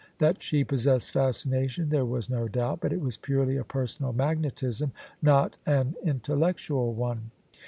That she possessed fascination there was no doubt: but it was purely a personal magnetism, not an intellectual one.